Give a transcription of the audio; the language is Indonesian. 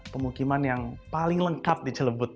pemukiman yang paling lengkap di celebut